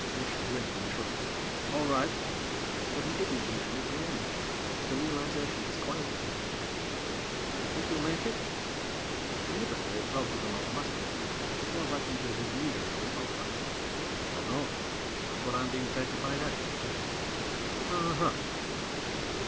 Ish grinned and shrugged. "All right." But he didn't usually grin. The realization disquieted him a little. "Think you'll make it?" Deliberately, rather than automatically, he fell back into his usual response pattern. "Don't know. That's what I'm being paid to find out." "Uh huh."